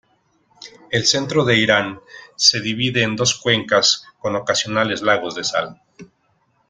El centro de Irán se divide en dos cuencas con ocasionales lagos de sal.